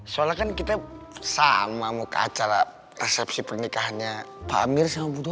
soalnya kan kita sama mau ke acara resepsi pernikahannya pak amir sama butuh